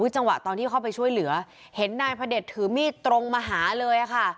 จังหวะตอนที่เข้าไปช่วยเหลือเห็นนายพระเด็จถือมีดตรงมาหาเลยค่ะ